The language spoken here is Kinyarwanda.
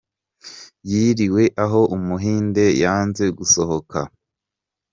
Yiriwe aho umuhinde yanze gusohoka, arambiwe arongera aritahira.